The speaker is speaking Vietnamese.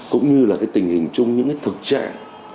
cũng như là tình hình chung những thực trạng